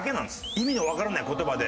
意味のわからない言葉で。